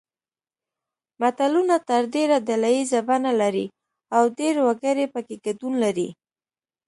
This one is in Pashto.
متلونه تر ډېره ډله ییزه بڼه لري او ډېر وګړي پکې ګډون لري